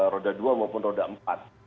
roda dua maupun roda empat